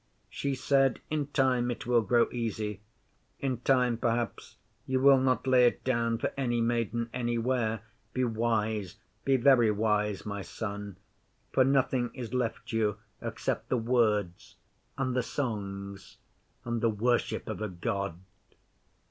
She said, "In time it will grow easy. In time perhaps you will not lay it down for any maiden anywhere. Be wise be very wise, my son, for nothing is left you except the words, and the songs, and the worship of a God."